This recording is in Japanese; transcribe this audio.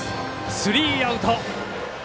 スリーアウト。